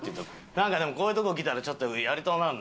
なんかでもこういうとこ来たらちょっとやりとうなるな。